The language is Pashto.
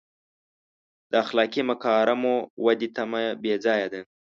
د اخلاقي مکارمو ودې تمه بې ځایه ده.